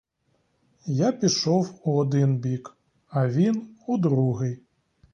Я пішов у один бік, а він у другий.